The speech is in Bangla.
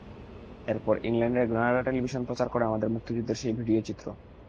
এরপর ইংল্যান্ডের গ্রানাডা টেলিভিশন প্রচার করে আমাদের মুক্তিযুদ্ধের সেই ভিডিও চিত্র।